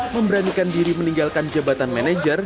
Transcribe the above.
memberanikan diri meninggalkan jabatan manajer